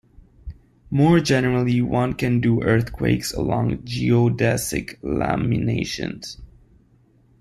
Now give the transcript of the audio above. More generally one can do earthquakes along geodesic laminations.